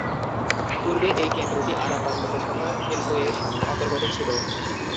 পূর্বে এই কেন্দ্রটি আরামবাগ লোকসভা কেন্দ্র এর অন্তর্গত ছিল।